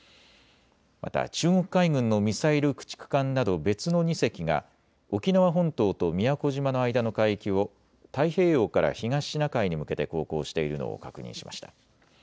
また中国海軍のミサイル駆逐艦など別の２隻が沖縄本島と宮古島の間の海域を太平洋から東シナ海に向けて航行しているのを確認しました。